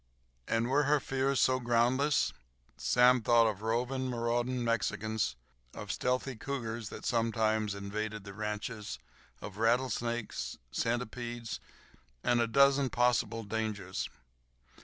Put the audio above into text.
And were her fears so groundless? Sam thought of roving, marauding Mexicans, of stealthy cougars that sometimes invaded the ranches, of rattlesnakes, centipedes, and a dozen possible dangers.